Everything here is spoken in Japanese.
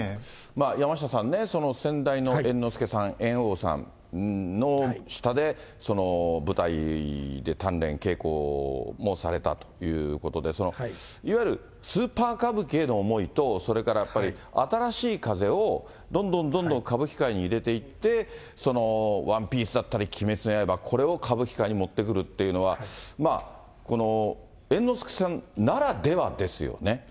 山下さんね、先代の猿之助さん、猿翁さんの下で、舞台で鍛練、稽古もされたということで、いわゆるスーパー歌舞伎への思いと、それからやっぱり新しい風を、どんどんどんどん歌舞伎界に入れていって、そのＯＮＥＰＩＥＣＥだったり鬼滅の刃、これを歌舞伎界に持ってくるというのは、まあ、猿之助さんならではですよね。